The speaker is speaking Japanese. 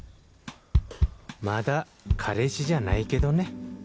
まだ彼氏じゃないけどね。